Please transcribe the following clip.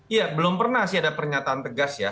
iya belum pernah sih ada pernyataan tegas ya